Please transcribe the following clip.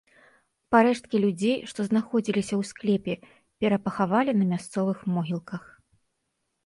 Парэшткі людзей, што знаходзіліся ў склепе, перапахавалі на мясцовых могілках.